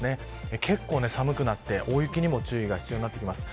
結構、寒くなって大雪にも注意が必要になってきます。